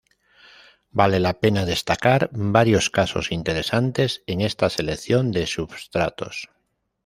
Vale la pena destacar varios casos interesantes en esta selección de substratos.